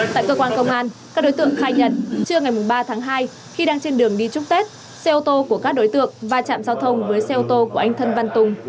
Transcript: tại cơ quan công an các đối tượng khai nhận trưa ngày ba tháng hai khi đang trên đường đi chúc tết xe ô tô của các đối tượng va chạm giao thông với xe ô tô của anh thân văn tùng